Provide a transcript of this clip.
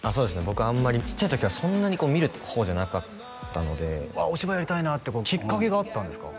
僕あんまりちっちゃい時はそんなに見る方じゃなかったのであっお芝居やりたいなってこうきっかけがあったんですか？